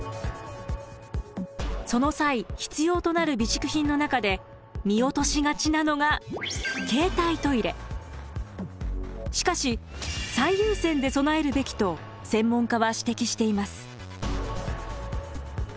その際必要となる備蓄品の中で見落としがちなのがしかしと専門家は指摘しています。